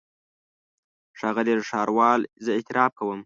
ښاغلی ښاروال زه اعتراف کوم.